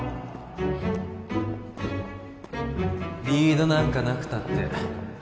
リードなんかなくたって